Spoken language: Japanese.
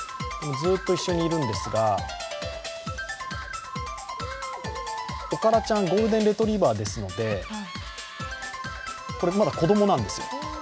ずっと一緒にいるんですが、おからちゃん、ゴールデンレトリバーですのでこれまだ子供なんですよ。